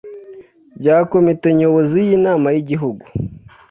Bya komite nyobozi y inama y igihugu